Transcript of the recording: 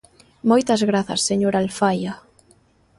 Moitas grazas, señora Alfaia.